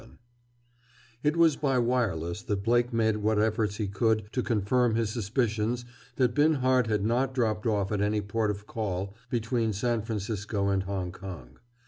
VII It was by wireless that Blake made what efforts he could to confirm his suspicions that Binhart had not dropped off at any port of call between San Francisco and Hong Kong.